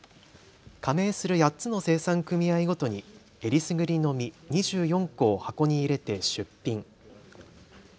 加盟する８つの生産組合ごとにえりすぐりの実２４個を箱に入れて出品。